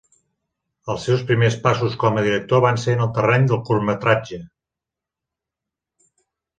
Els seus primers passos com a director van ser en el terreny del curtmetratge.